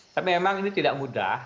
tapi memang ini tidak mudah